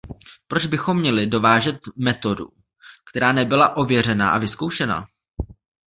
Proč bychom měli dovážet metodu, která nebyla ověřená a vyzkoušená?